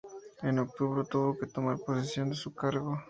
En octubre tuvo que tomar posesión de su cargo.